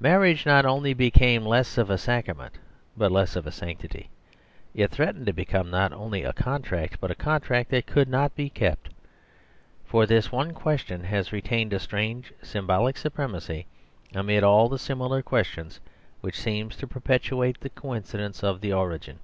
Marriage not only became less of a sacrament but less of a sanctity. It threatened to become not only a contract, but a contract that could not be kept For this 98 The Superstition of Divorce one question has retained a strange symbolic supremacy amid all the similar questions, which iseems to perpetuate the coincidence of the origin.